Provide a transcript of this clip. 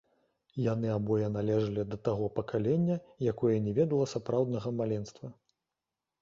Яны абое належалі да таго пакалення, якое не ведала сапраўднага маленства.